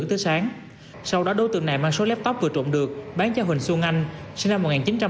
tới sáng sau đó đối tượng này mang số laptop vừa trộm được bán cho huỳnh xuân anh sinh năm